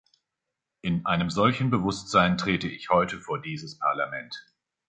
In einem solchen Bewusstsein trete ich heute vor dieses Parlament.